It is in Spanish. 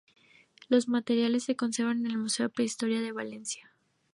Los materiales se conservan en el Museo de Prehistoria de Valencia.